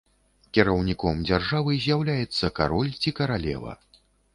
Кіраўніком дзяржавы з'яўляецца кароль ці каралева.